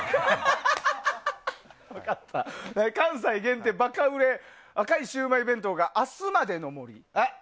関西限定バカ売れ赤いシウマイ弁当が明日までの森。